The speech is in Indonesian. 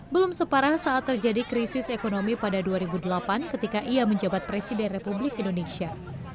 belum separah saat terjadi krisis ekonomi pada dua ribu delapan ketika ia menjabat presiden republik indonesia